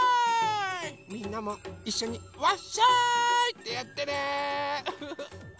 みんなもいっしょにワッショーイ！ってやってね！